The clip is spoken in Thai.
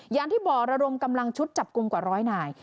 อย่างที่บอกระดมกำลังชุดจับกลุ่มกว่าร้อยนาย